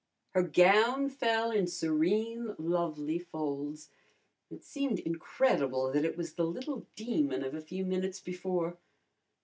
Her gown fell in serene, lovely folds. It seemed incredible that it was the little demon of a few minutes before.